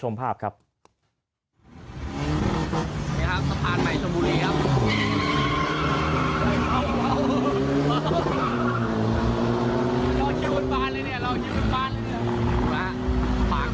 หนูนะครับกระบาด